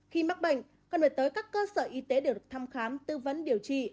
khi mắc bệnh cần phải tới các cơ sở y tế để được thăm khám tư vấn điều trị